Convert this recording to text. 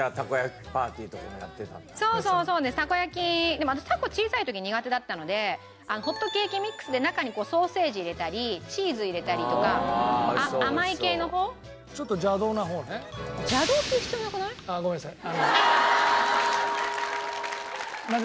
でも私タコ小さい時苦手だったのでホットケーキミックスで中にソーセージ入れたりチーズ入れたりとか甘い系の方？あっごめんなさい。